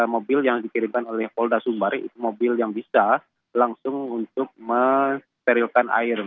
mobil yang dikirimkan oleh polda sumbari itu mobil yang bisa langsung untuk mensterilkan air